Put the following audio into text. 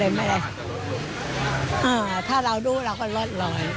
แต่ไม่ไงเออถ้าเราดูเราก็รวดลอด